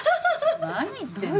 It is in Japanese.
何言ってんの？